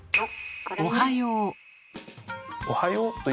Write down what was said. おはよう。